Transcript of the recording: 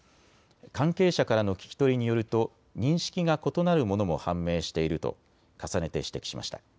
関係者からの聞き取りによると認識が異なるものも判明していると重ねて指摘しました。